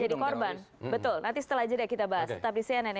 its saja udah banyak